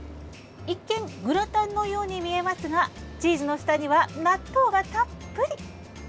一見グラタンのように見えますがチーズの下には、納豆がたっぷり。